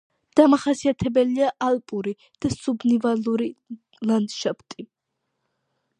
დამახასიათებელია ალპური და სუბნივალური ლანდშაფტი.